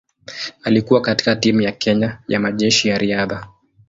Alikuwa katika timu ya Kenya ya Majeshi ya Riadha.